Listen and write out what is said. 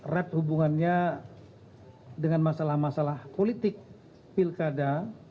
rep hubungannya dengan masalah masalah politik pilkada